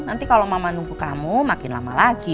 nanti kalau mama nunggu kamu makin lama lagi